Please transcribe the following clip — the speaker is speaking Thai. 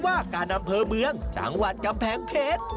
ว่าการอำเภอเมืองจังหวัดกำแพงเพชร